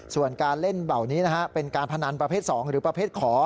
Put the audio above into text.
ส่วนการเล่นเบานี้เป็นการพนันประเภท๒หรือประเภทขอ